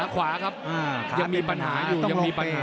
ขาขวาครับยังมีปัญหาอยู่